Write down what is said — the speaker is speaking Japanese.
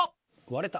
割れた。